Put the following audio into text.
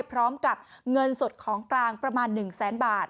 พร้อมกับเงินสดของกลางประมาณ๑แสนบาท